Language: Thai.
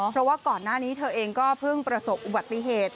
เพราะว่าก่อนหน้านี้เธอเองก็เพิ่งประสบอุบัติเหตุ